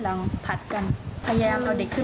แล้วหมาพวกนั้นจะไปไหน